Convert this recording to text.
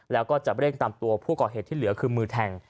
แล้วก็จะเร่งตามตัวผู้ก่อเหตุที่เหลือคือมือแทง